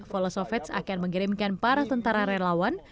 volosovets akan mengirimkan para tentara relawan